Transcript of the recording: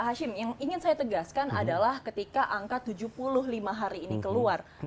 pak hashim yang ingin saya tegaskan adalah ketika angka tujuh puluh lima hari ini keluar